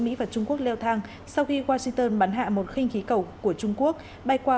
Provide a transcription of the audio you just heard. mỹ và trung quốc leo thang sau khi washington bắn hạ một khinh khí cầu của trung quốc bay qua